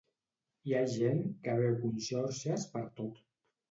Hi ha gent que veu conxorxes pertot.